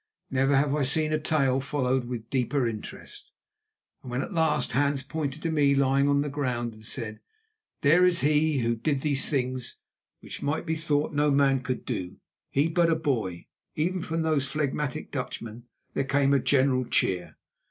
Never have I seen a tale followed with deeper interest, and when at last Hans pointed to me lying on the ground and said, "There is he who did these things which it might be thought no man could do—he, but a boy," even from those phlegmatic Dutchmen there came a general cheer.